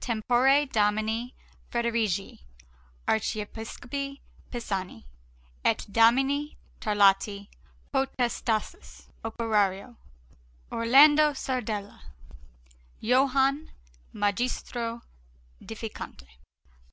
TEMPORE DOMINI FREDERIGI ARCHIEPISCOPI PISANI, ET DOMINI TARLATI POTESTATIS, OPERARIO ORLANDO SARDELLA, JOHANNE MAGISTRO ÆDIFICANTE.